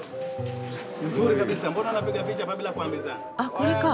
あっこれか。